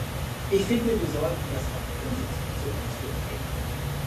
Ich finde, wir sollten das auch positiv zum Ausdruck bringen.